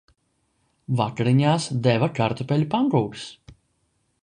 Vakariņās deva kartupeļu pankūkas.